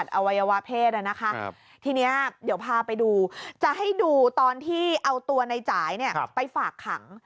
เดี๋ยวพาไปดูจะให้ดูตอนที่เอาตัวในจ๋ายไปฝากขัง